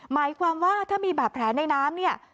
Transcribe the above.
หมายความว่าถ้ามีบาดแผลในน้ำเนี่ย